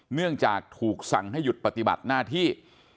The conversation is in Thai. เนื่องจากถูกสั่งให้หยุดปฏิบัติหน้าที่